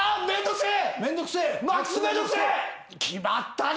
決まったね。